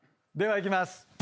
ではいきます。